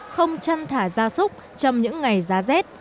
không chăn thả ra súc trong những ngày giá rét